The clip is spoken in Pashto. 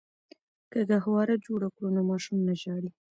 که ګهواره جوړه کړو نو ماشوم نه ژاړي.